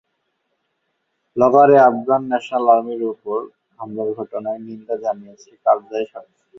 লগারে Afghan national আর্মির ওপর হামলার ঘটনায় নিন্দা জানিয়েছে কারজাই সরকার।